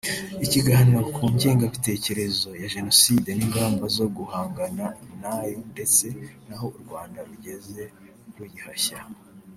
ikiganiro ku ngengabitekerezo ya Jenoside n’ingamba zo guhangana nayo ndetse n’aho u Rwanda rugeze ruyihashya